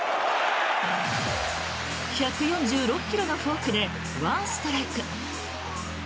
１４６ｋｍのフォークで１ストライク。